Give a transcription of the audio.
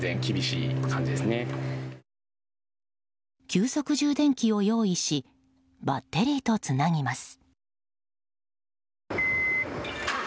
急速充電器を用意しバッテリーとつなぎます。